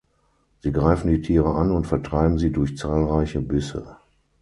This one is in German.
Sie greifen die Tiere an und vertreiben sie durch zahlreiche Bisse.